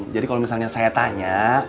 jadi kalau misalnya saya tanya